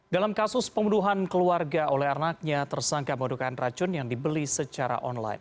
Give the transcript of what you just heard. dalam kasus pembunuhan keluarga oleh anaknya tersangka membutuhkan racun yang dibeli secara online